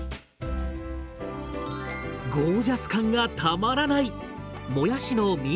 ゴージャス感がたまらない！